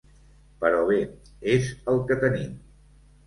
Però bé, és el que tenim.